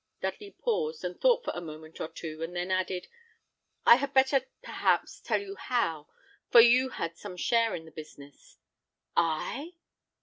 Dudley paused, and thought for a moment or two, and then added, "I had better, perhaps, tell you how; for you had some share in the business." "I?